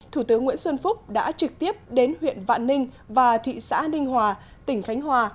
thủ tướng nguyễn xuân phúc đã trực tiếp đến huyện vạn ninh và thị xã ninh hòa tỉnh khánh hòa